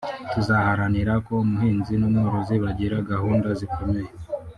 tuzaharanira ko umuhinzi n’umworozi bagira gahunda zikomeye